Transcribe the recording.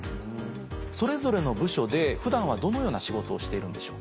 それぞれの部署で普段はどのような仕事をしているんでしょう？